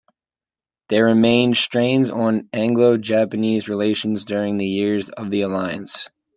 There remained strains on Anglo-Japanese relations during the years of the alliance.